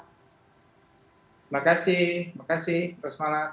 terima kasih terima kasih